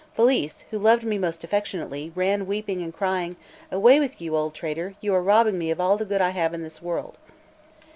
Felice, who loved me most affectionately, ran weeping and crying: "Away with you, old traitor; you are robbing me of all the good I have in this world."